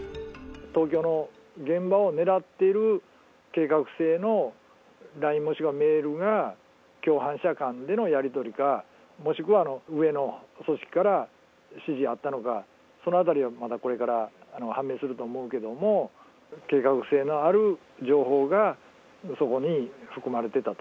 東京の現場を狙っている計画性のＬＩＮＥ、もしくはメールが共犯者間でのやり取りか、もしくは上の組織から指示あったのか、そのあたりはまだこれから判明すると思うけども、計画性のある情報がそこに含まれてたと。